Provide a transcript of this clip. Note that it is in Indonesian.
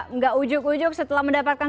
enggak ujug ujug setelah mendapatkan